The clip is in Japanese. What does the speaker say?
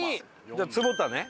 じゃあ坪田ね。